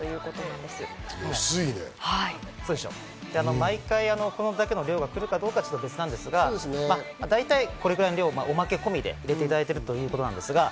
毎回これだけの量が来るかどうかは別ですが、だいたいこれぐらいの量、おまけ込みで入れていただいてるということです。